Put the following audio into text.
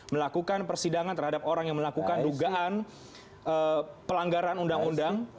melakukan persidangan terhadap orang yang melakukan dugaan pelanggaran undang undang